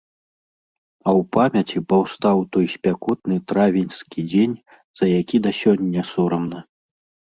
А ў памяці паўстаў той спякотны травеньскі дзень, за які да сёння сорамна.